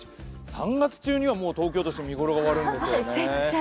３月中には東京都心見頃が終わるんですね。